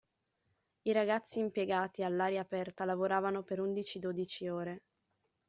I ragazzi impiegati all'aria aperta lavoravano per undici-dodici ore.